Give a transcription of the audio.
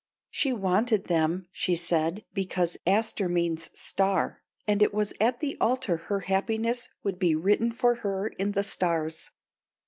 She wanted them she said because aster means star, and it was at the altar her happiness would be written for her in the stars.